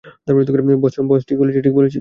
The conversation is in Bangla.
বস, ঠিক বলেছি?